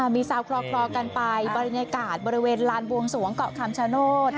มีซาวคลอกันไปบรรยากาศบริเวณลานบวงสวงเกาะคำชโนธ